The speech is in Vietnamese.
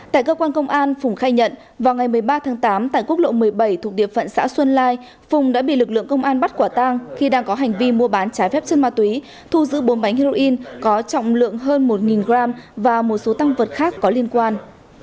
tại cơ quan công an phùng khai nhận vào ngày một mươi ba tháng tám tại quốc lộ một mươi bảy thuộc địa phận xã xuân lai phùng đã bị lực lượng công an bắt quả tang khi đang có hành vi mua bán trái phép chân ma túy thu giữ bốn bánh heroin có trọng lượng hơn một g và một số tăng vật khác có liên quan